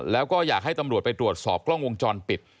แล้วก็อยากให้ตำรวจไปตรวจสอบกล้องวงจรปิด